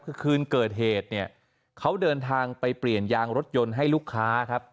คือคืนเกิดเหตุเนี่ยเขาเดินทางไปเปลี่ยนยางรถยนต์ให้ลูกค้าครับ